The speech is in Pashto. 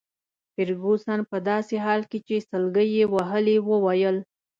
فرګوسن په داسي حال کي چي سلګۍ يې وهلې وویل.